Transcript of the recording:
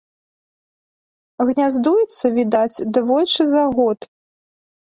Гняздуецца, відаць, двойчы за год.